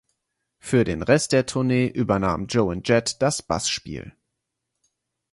Für den Rest der Tournee übernahm Joan Jett das Bassspiel.